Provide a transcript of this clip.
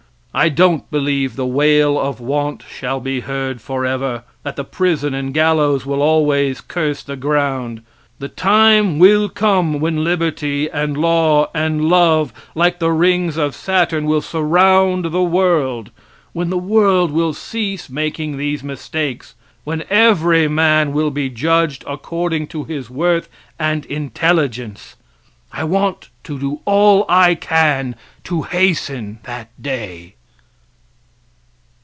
I don't believe the wail of want shall be heard forever; that the prison and gallows will always curse the ground. The time will come when liberty and law and love, like the rings of Saturn, will surround the world; when the world will cease making these mistakes; when every man will be judged according to his worth and intelligence. I want to do all I can to hasten that day.